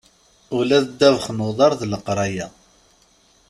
Ula d ddabex n uḍar d leqraya.